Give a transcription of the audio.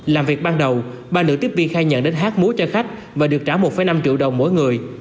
làm việc ban đầu ba nữ tiếp viên khai nhận đến hát múa cho khách và được trả một năm triệu đồng mỗi người